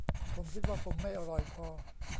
ผมคิดว่าผมไม่อร่อยพอ